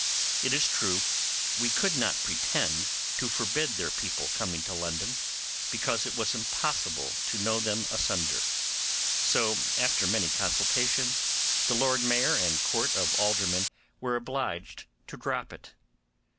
It is true we could not pretend to forbid their people coming to London, because it was impossible to know them asunder; so, after many consultations, the Lord Mayor and Court of Aldermen were obliged to drop it.